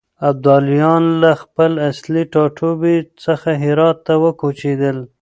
ابداليان له خپل اصلي ټاټوبي څخه هرات ته وکوچېدل.